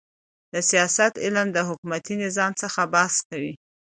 د سیاست علم د حکومتي نظامو څخه بحث کوي.